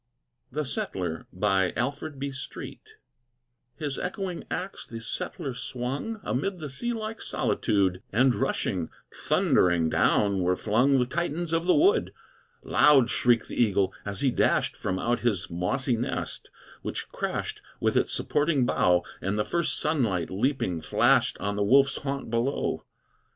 THE SETTLER His echoing axe the settler swung Amid the sea like solitude, And, rushing, thundering, down were flung The Titans of the wood; Loud shrieked the eagle, as he dashed From out his mossy nest, which crashed With its supporting bough, And the first sunlight, leaping, flashed On the wolf's haunt below.